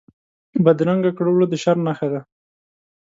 بدرنګه کړه وړه د شر نښه ده